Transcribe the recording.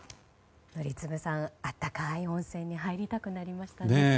宜嗣さん、温かい温泉に入りたくなりましたね。